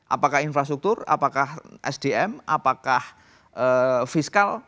apakah infrastruktur apakah sdm apakah fiskal